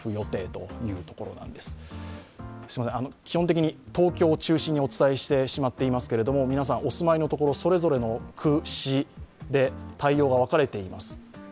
基本的に東京を中心にお伝えしてしまっていますけれども、皆さん、お住まいのところそれぞれの区、市で対応が分かれています。